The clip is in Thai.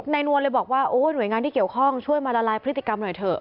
นวลเลยบอกว่าโอ้หน่วยงานที่เกี่ยวข้องช่วยมาละลายพฤติกรรมหน่อยเถอะ